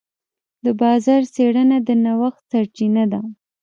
د بازار څېړنه د نوښت سرچینه ده.